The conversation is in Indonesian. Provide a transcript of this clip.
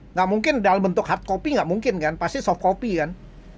nggak mungkin dalam bentuk hard copy nggak mungkin kan pasti soft copy kan